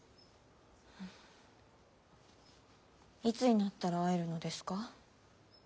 いつになったら会えるのですか。